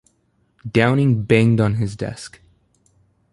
Downing banged on his desk.